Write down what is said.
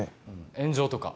炎上とか。